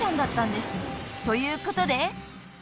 ということで］